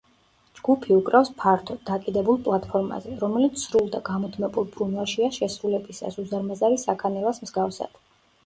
ჯგუფი უკრავს ფართო, დაკიდებულ პლატფორმაზე, რომელიც სრულ და გამუდმებულ ბრუნვაშია შესრულებისას, უზარმაზარი საქანელას მსგავსად.